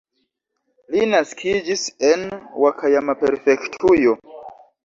Li naskiĝis en Ŭakajama-prefektujo.